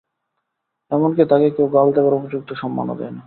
এমন-কি, তাকে কেউ গাল দেবার উপযুক্ত সম্মানও দেয় না।